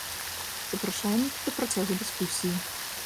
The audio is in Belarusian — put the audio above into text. Запрашаем да працягу дыскусіі.